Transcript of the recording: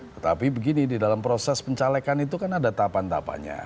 tetapi begini di dalam proses pencalekan itu kan ada tahapan tahapannya